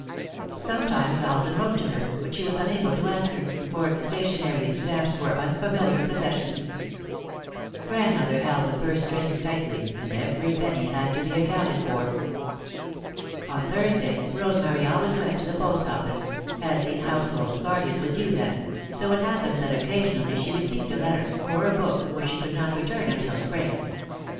Sometimes Alden wrote to her, but she was unable to answer, for stationery and stamps were unfamiliar possessions; Grandmother held the purse strings tightly, and every penny had to be accounted for. On Thursday, Rosemary always went to the post office, as The Household Guardian was due then, so it happened that occasionally she received a letter, or a book which she could not return until Spring.